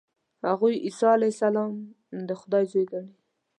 هغوی عیسی علیه السلام د خدای زوی ګڼي.